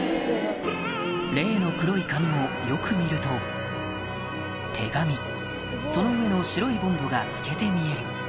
例の黒い紙もよく見ると手紙その上の白いボンドが透けて見える